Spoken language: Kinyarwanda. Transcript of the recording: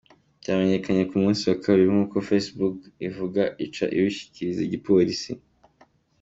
Vyamenyekanye ku munsi wa kabiri nkuko Facebook ivuga, ica ibishikiriza igipolisi.